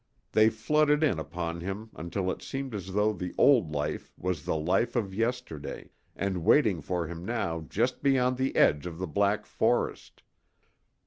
They flooded in upon him until it seemed as though the old life was the life of yesterday and waiting for him now just beyond the edge of the black forest.